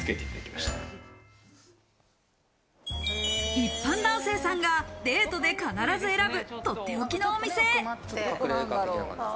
一般男性さんがデートで必ず選ぶとっておきのお店へ。